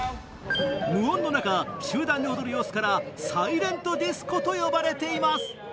無音の中、集団で踊る様子からサイレントディスコと呼ばれています。